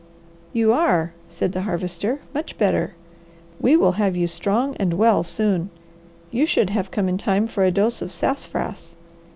"You are," said the Harvester. "Much better! We will have you strong and well soon. You should have come in time for a dose of sassafras.